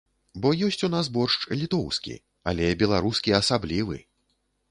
Бо ёсць ў нас боршч літоўскі, але беларускі асаблівы!